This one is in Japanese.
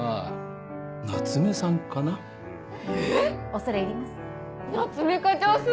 おそれいります。